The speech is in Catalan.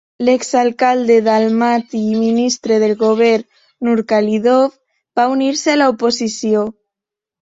L'ex-alcalde d'Almaty i ministre del govern, Nurkadilov, va unir-se a l'oposició.